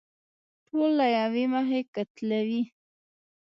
ټول له يوې مخې قتلوي.